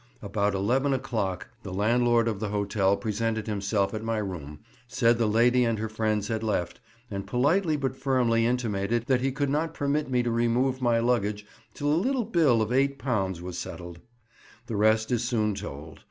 About eleven o'clock the landlord of the hotel presented himself at my room, said the lady and her friends had left, and politely but firmly intimated that he could not permit me to remove my luggage till a little bill of £8 was settled. The rest is soon told.